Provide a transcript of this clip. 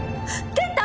健太！？